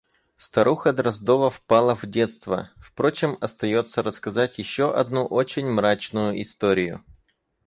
Старуха Дроздова впала в детство… Впрочем, остается рассказать еще одну очень мрачную историю.